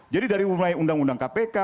jadi dari mulai undang undang kpk